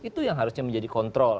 itu yang harusnya menjadi kontrol